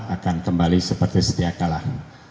akan kembali seperti setiap kalah